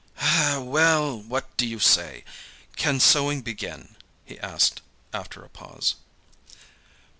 "Well, what do you say? Can sowing begin?" he asked, after a pause.